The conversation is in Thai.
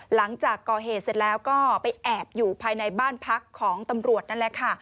หลังจากก่อเหตุเสร็จแล้วก็ไปแอบอยู่ภายในบ้านพักของตำรวจนั่นแหละค่ะ